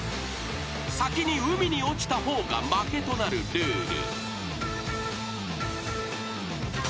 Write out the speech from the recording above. ［先に海に落ちた方が負けとなるルール］